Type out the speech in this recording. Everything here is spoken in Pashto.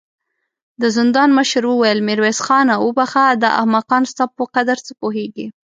د زندان مشر وويل: ميرويس خانه! وبخښه، دا احمقان ستا په قدر څه پوهېږې.